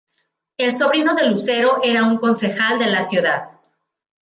El sobrino de Lucero era un concejal de la ciudad.